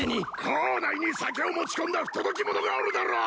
校内に酒を持ち込んだ不届き者がおるだろう！